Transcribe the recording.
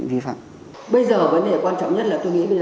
bây giờ vấn đề quan trọng của quốc gia là